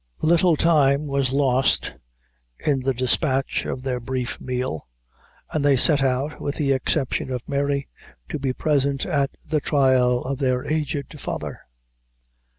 Little time was lost in the despatch of their brief meal, and they set out, with the exception of Mary, to be present at the trail of their aged father.